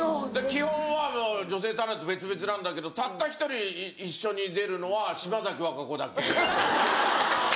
基本はもう女性タレント別々なんだけどたった１人一緒に出るのは島崎和歌子だけ。